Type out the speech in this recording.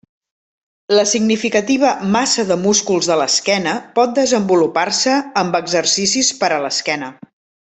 La significativa massa de músculs de l'esquena pot desenvolupar-se amb exercicis per a l'esquena.